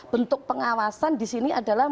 bentuk pengawasan di sini adalah